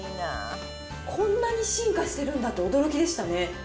こんなに進化してるんだって驚きでしたね。